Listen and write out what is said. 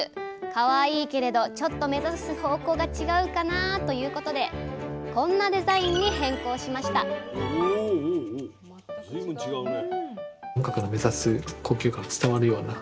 かわいいけれどちょっとめざす方向が違うかなということでこんなデザインに変更しましたお随分違うね。